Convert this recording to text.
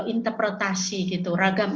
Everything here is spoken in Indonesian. interpretasi gitu ragam